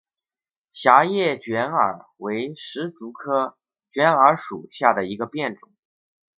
狭叶卷耳为石竹科卷耳属下的一个变种。